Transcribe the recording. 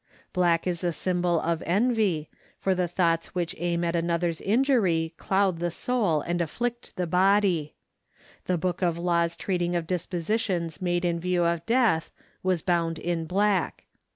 Black is a symbol of envy, for the thoughts which aim at another's injury cloud the soul and afflict the body. The book of laws treating of dispositions made in view of death was bound in black.